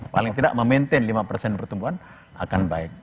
paling tidak memaintain lima persen pertumbuhan akan baik